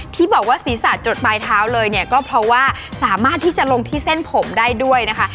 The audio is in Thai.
ที่บอกว่าศีรษะจดปลายเท้าเลยเนี่ยก็เพราะว่าสามารถที่จะลงที่เส้นผมได้ด้วยนะคะ